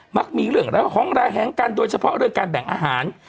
มีเรื่องราวของระแหงกันโดยเฉพาะเรื่องการแบ่งอาหาร